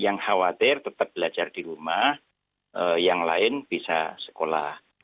yang khawatir tetap belajar di rumah yang lain bisa sekolah